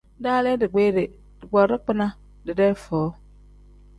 Daalii dikpiiri, dikpoo dagbina didee foo.